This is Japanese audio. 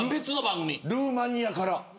ルーマニアから。